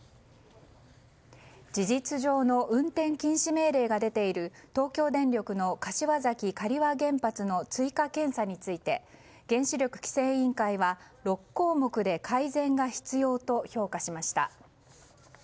事実上の運転禁止命令が出ている東京電力の柏崎刈羽原発の追加検査について原子力規制委員会は６項目で改善が必要と評価しました。